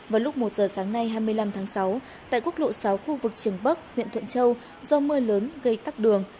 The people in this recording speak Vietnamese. vào lúc một giờ sáng nay hai mươi năm tháng sáu tại quốc lộ sáu khu vực trường bắc huyện thuận châu do mưa lớn gây tắc đường